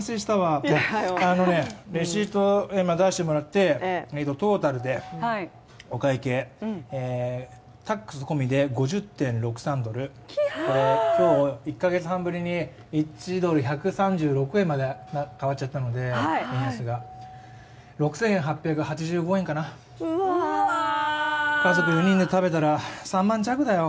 今、レシートを出してもらってトータルでお会計、タックス込みで５０．６３ドル、今日、１か月半ぶりに１ドル１３６円まで上がっちゃったので６８８５円かな、家族４人で食べたら３万弱だよ。